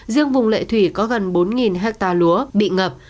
riêng vùng lệ thủy có gần bốn hectare lúa bị ngập